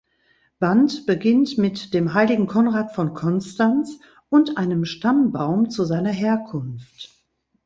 Band beginnt mit dem heiligen Konrad von Konstanz und einem Stammbaum zu seiner Herkunft.